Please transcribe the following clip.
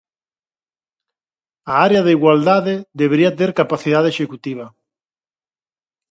A Área de Igualdade debería ter capacidade executiva.